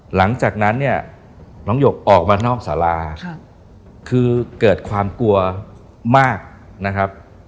หลังจากนั้นเนี่ยน้องหยกออกมานอกสาราคือเกิดความกลัวมากนะครับ